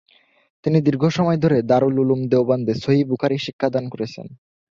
তিনি দীর্ঘ সময় ধরে দারুল উলুম দেওবন্দে সহীহ বুখারী শিক্ষাদান করেছেন।